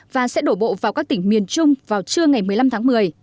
và sẽ đổ bộ vào các tỉnh miền trung vào trưa ngày một mươi năm tháng một mươi